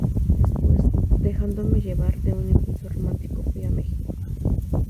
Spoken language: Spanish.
después, dejándome llevar de un impulso romántico, fuí a México.